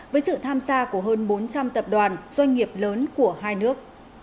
với sự tham gia của hơn bốn trăm linh tập đoàn doanh nghiệp lớn của hai nước